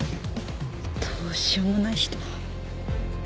どうしようもない人。